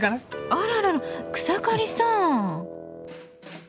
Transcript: あららら草刈さん。